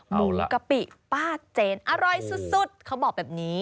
กะปิป้าเจนอร่อยสุดเขาบอกแบบนี้